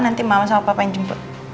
nanti malam sama papa yang jemput